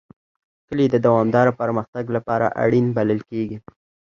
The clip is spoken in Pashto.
کلي د دوامداره پرمختګ لپاره اړین بلل کېږي.